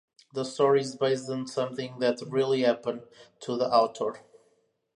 The story is based on something that really happened to the author.